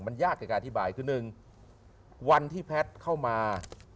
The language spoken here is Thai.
มันยากจากการอธิบายคือ๑วันที่แพทย์เข้ามา